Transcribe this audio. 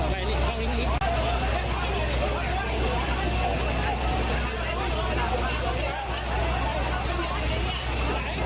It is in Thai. เจี๊ยนน้ำหน่อย